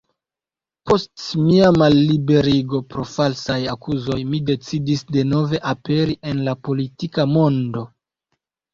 Post mia malliberigo pro falsaj akuzoj mi decidis denove aperi en la politika mondo".